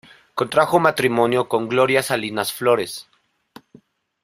Contrajo matrimonio con Gloria Salinas Flores.